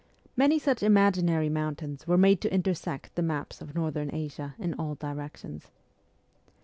Many such imaginary mountains were made to intersect the maps of Northern Asia in all directions.